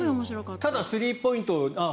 ただ、スリーポイントあ